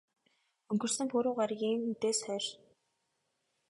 Өнгөрсөн пүрэв гаригийн үдээс хойш.